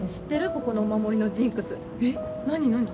ここのお守りのジンクスえっ何なに？